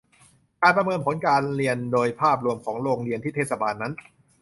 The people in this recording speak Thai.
การประเมินผลการเรียนโดยภาพรวมของโรงเรียนที่เทศบาลนั้น